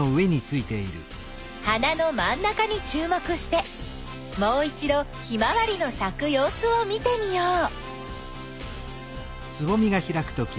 花の真ん中にちゅうもくしてもう一どヒマワリのさくようすを見てみよう。